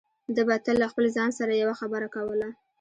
ده به تل له خپل ځان سره يوه خبره کوله.